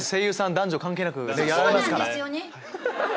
男女関係なくやられますから。